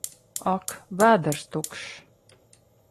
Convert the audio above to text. Ak! Vēders tukšs!